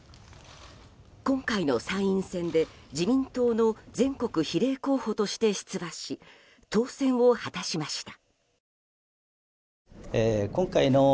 今回の参院選で自民党の全国比例候補として出馬し当選を果たしました。